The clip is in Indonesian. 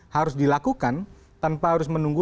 harus dilakukan tanpa harus menunggu